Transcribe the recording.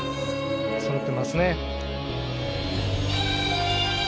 そろってますね。